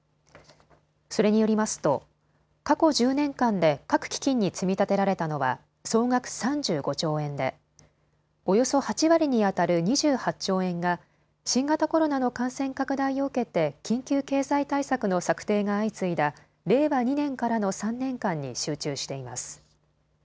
それによりますと過去１０年間で各基金に積み立てられたのは総額３５兆円でおよそ８割にあたる２８兆円が新型コロナの感染拡大を受けて緊急経済対策の策定が相次いだ令和２年からの３年間に集中しています。